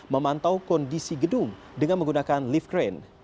memantau kondisi gedung dengan menggunakan lift crane